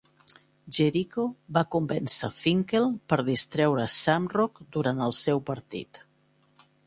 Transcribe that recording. Jericho va convèncer Finkel per distreure Shamrock durant el seu partit.